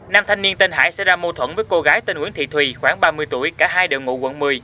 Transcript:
nam thanh niên tên hải xảy ra mâu thuẫn với cô gái tên nguyễn thị thùy khoảng ba mươi tuổi cả hai đều ngụ quận một mươi